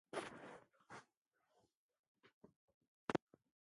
Táʼ á wɔ́ pɔ́ ngie peg la cʉ́ʼʉ lemag ńtém pɔ́ ndaʼ nkàŋ.